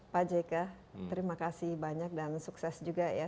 pak jk terima kasih banyak dan sukses juga ya